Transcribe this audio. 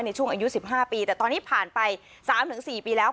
ในช่วงอายุ๑๕ปีแต่ตอนนี้ผ่านไป๓๔ปีแล้ว